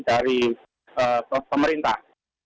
di tos pemerintah